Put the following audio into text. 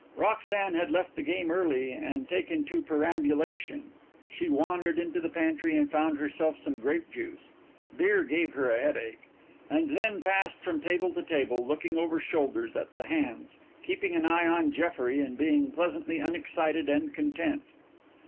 Roxanne had left the game early and taken to perambulation; she wandered into the pantry and found herself some grape juice beer gave her a headache and then passed from table to table, looking over shoulders at the hands, keeping an eye on Jeffrey and being pleasantly unexcited and content.